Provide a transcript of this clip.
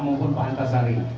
mumpun pak tasari